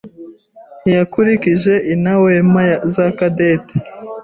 ntiyakurikije inawema za Cadette.